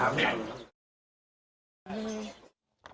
เข้าข้อกัมมานาน